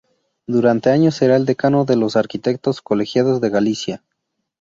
Durante años será el decano de los arquitectos colegiados de Galicia.